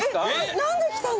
「何で来たの？」